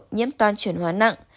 nhiễm toan chuyển hóa nặng